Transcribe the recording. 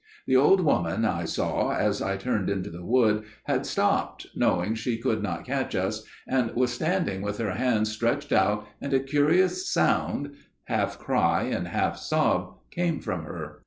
The old woman, I saw as I turned into the wood, had stopped, knowing she could not catch us, and was standing with her hands stretched out, and a curious sound, half cry and half sob came from her.